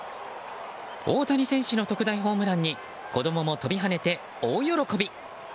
大谷選手の特大ホームランに子供も飛び跳ねて大喜び。